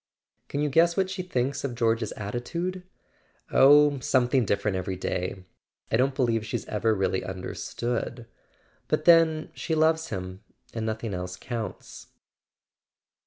"Can you guess what she thinks of George's atti¬ tude ?" "Oh, something different every day. I don't believe she's ever really understood. But then she loves him, and nothing else counts."